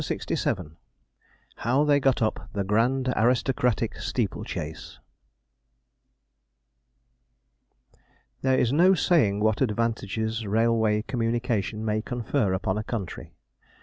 CHAPTER LXVII HOW THEY GOT UP THE 'GRAND ARISTOCRATIC STEEPLE CHASE' There is no saying what advantages railway communication may confer upon a country.